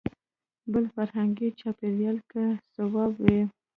بل فرهنګي چاپېریال کې صواب وي.